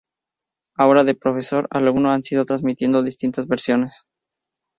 Ahora de profesor a alumno han ido transmitiendo distintas versiones.